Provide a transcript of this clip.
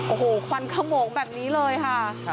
โอ้โหควันขโมงแบบนี้เลยค่ะ